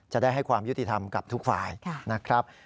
จะได้ให้ความยุติธรรมกับทุกฝ่ายนะครับ